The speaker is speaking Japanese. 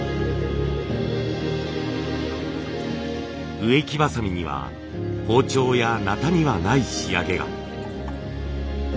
植木鋏には包丁や鉈にはない仕上げが。